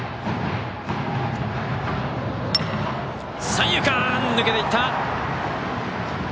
三遊間抜けていった！